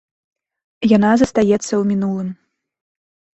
Яна застаецца ў мінулым.